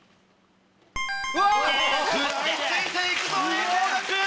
食らいついていくぞ栄光学園！